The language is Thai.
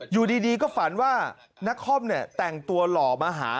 อยู่ดีก็ฝันว่านักคอมเนี่ยแต่งตัวหล่อมาหา